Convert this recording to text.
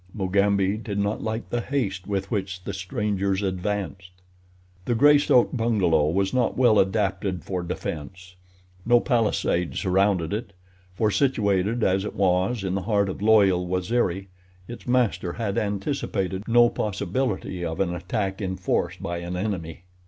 Mugambi did not like the haste with which the strangers advanced. The Greystoke bungalow was not well adapted for defense. No palisade surrounded it, for, situated as it was, in the heart of loyal Waziri, its master had anticipated no possibility of an attack in force by any enemy.